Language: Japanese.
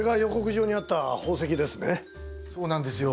そうなんですよ。